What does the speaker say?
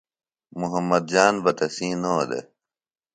محمد جان بہ تسی نو دےۡ